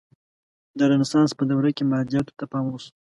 د رنسانس په دوره کې مادیاتو ته پام وشو.